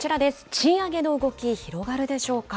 賃上げの動き、広がるでしょうか。